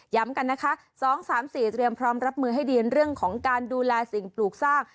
กันนะคะ๒๓๔เตรียมพร้อมรับมือให้ดีเรื่องของการดูแลสิ่งปลูกสร้าง